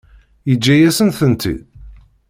Yeǧǧa-yasen-tent-id?